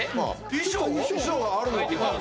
衣装があるんだっていうから。